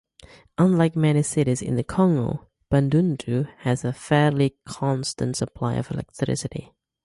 Unlike many cities in the Congo, Bandundu has a fairly constant supply of electricity.